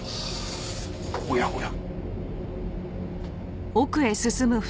おやおや。